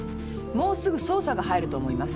もうすぐ捜査が入ると思います。